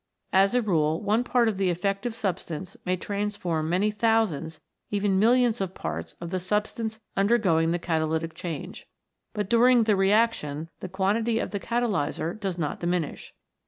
As a rule one part of the effective substance may transform many thousands, even millions of parts of the substance undergoing the catalytic change. But during the reaction the quantity of the catalyser does not diminish.